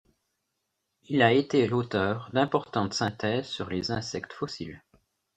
Il a été l’auteur d’importantes synthèses sur les insectes fossiles.